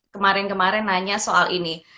kemarin kemarin nanya soal ini